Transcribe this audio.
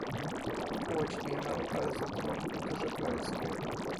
Łodzi nie mam, ale za to mam buty żeglarskie.